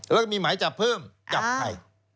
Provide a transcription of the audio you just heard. แล้วก็มีหมายจับเพิ่มจับใคร